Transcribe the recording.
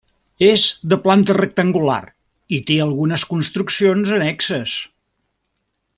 És de planta rectangular i té algunes construccions annexes.